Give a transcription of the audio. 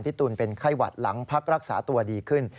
ตูนเป็นไข้หวัดหลังพักรักษาตัวดีขึ้น